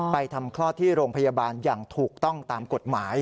ทำคลอดที่โรงพยาบาลอย่างถูกต้องตามกฎหมาย